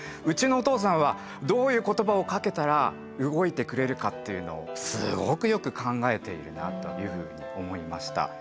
うちのお父さんはどういう言葉をかけたら動いてくれるかっていうのをすごくよく考えているなというふうに思いました。